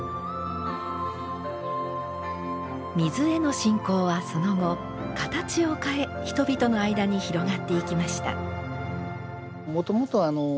水への信仰はその後形を変え人々の間に広がっていきました。